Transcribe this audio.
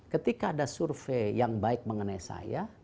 ketika ada survei yang baik mengenai saya